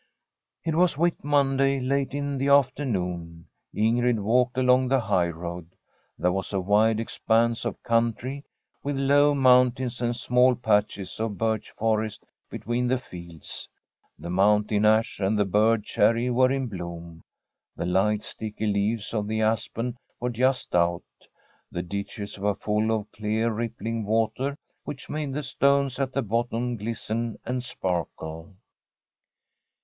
It was ^^Tiit Monday, late in the afternoon. Ingrid walked along the highroad. There was a wide expanse of country, with low mountains and small patches of birch forest between the From a SWEDISH HOMESTEAD fields. The mountain ash and the bird cherry were in bloom; the light, sticky leaves of the aspen were just out. The ditches were full of clear, rippling water which made the stones at the bottom glisten and sparkle.